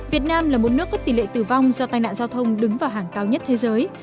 việt nam là một nước có tỷ lệ tử vong do tai nạn giao thông đứng vào hàng cao nhất thế giới